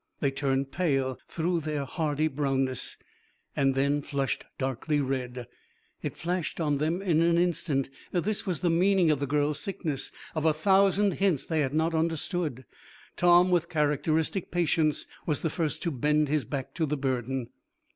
They turned pale through their hardy brownness, and then flushed darkly red. It flashed on them in an instant. This was the meaning of the girl's sickness, of a thousand hints they had not understood. Tom, with characteristic patience, was the first to bend his back to the burden.